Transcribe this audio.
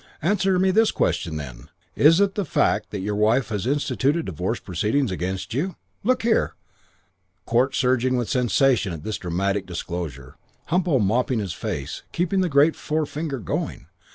Answer me this question then. Is it the fact that your wife has instituted divorce proceedings against you?' "'Look here ' "Court surging with sensation at this dramatic disclosure. Humpo mopping his face, keeping the great forefinger going.